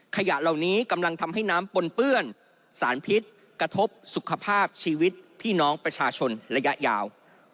ขยะเหล่านี้กำลังทำให้น้ำปนเปื้อนสารพิษกระทบสุขภาพชีวิตพี่น้องประชาชนระยะยาว